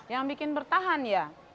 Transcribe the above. yang bikin bertahan ya